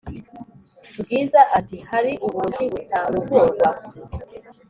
Bwiza ati"hari uburozi butarogorwa?"